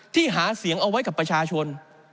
หาเสียงเอาไว้กับประชาชน